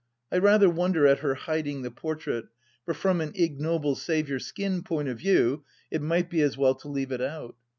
I rather wonder at her hiding the portrait, for from an ignoble save your skin point of view it might be as well to leave it out.